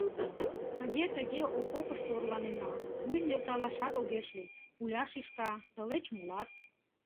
Тыге-тыге окопышто орланена, вуй нӧлталашат огеш лий, пуля шӱшка, тылеч молат».